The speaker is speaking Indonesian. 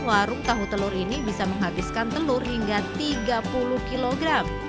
warung tahu telur ini bisa menghabiskan telur hingga tiga puluh kg